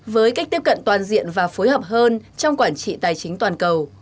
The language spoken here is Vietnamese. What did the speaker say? với cách tiếp cận toàn diện và phối hợp hơn trong quản trị tài chính toàn cầu